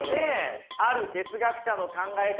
ある哲学者の考え方